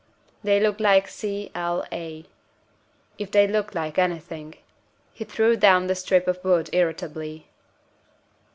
They looked like C L A if they looked like anything. He threw down the strip of wood irritably.